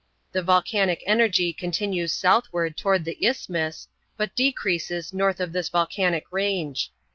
The volcanic energy continues southward toward the Isthmus, but decreases north of this volcanic range.